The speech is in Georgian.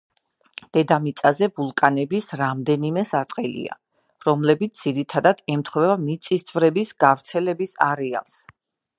დედამიწაზე ვულკანების რამდენიმე სარტყელია, რომლებიც ძირითადად ემთხვევა მიწისძვრების გავრცელების არეალს.